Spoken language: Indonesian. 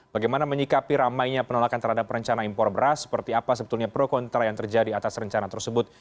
bagaimana menyikapi ramainya penolakan terhadap rencana impor beras seperti apa sebetulnya pro kontra yang terjadi atas rencana tersebut